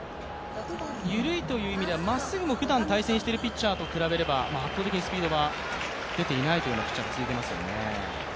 緩いという意味では、まっすぐもふだん対戦しているピッチャーと比べれば、圧倒的にスピードは出ていないと思いますけどね。